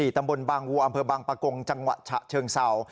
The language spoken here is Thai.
ตำบลบางวัวอำเภอบางปะกงจังหวัดฉะเชิงเศร้า